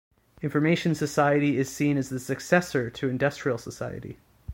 Information society is seen as the successor to industrial society.